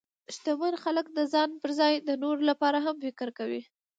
شتمن خلک د ځان پر ځای د نورو لپاره هم فکر کوي.